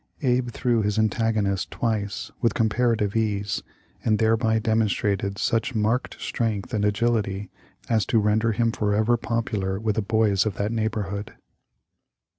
Abe threw his an tagonist twice with comparative ease, and thereby demonstrated such marked strength and agility as to render him forever popular with the boys of that neighborhood.